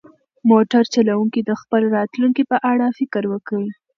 موټر چلونکی د خپل راتلونکي په اړه فکر کوي.